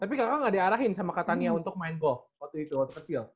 tapi kak tania gak diarahin sama kak tania untuk main golf waktu itu waktu kecil